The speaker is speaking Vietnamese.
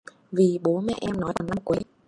Vì bố mẹ em nói còn năm cuối